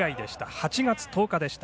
８月１０日でした。